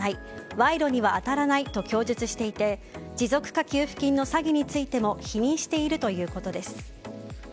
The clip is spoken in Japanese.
賄賂には当たらないと供述していて持続化給付金の詐欺についても否認しているということです。